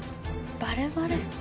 バレバレ。